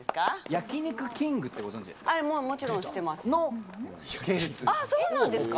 焼き肉きんぐってご存じですか？